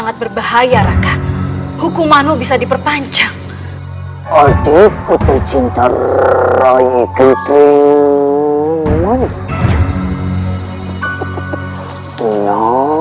tidak ada yang percaya